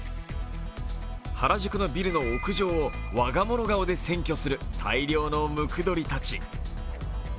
原宿のビルの屋上を我が物顔で占拠する大量のムクドリたち。